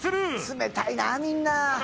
冷たいなみんな。